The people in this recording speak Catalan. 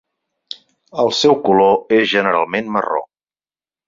El seu color és generalment marró.